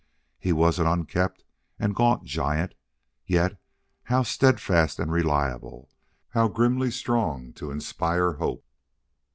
He was an unkempt and gaunt giant, yet how steadfast and reliable, how grimly strong to inspire hope!